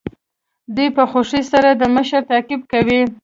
دوی په خوښۍ سره د مشر تعقیب کوي.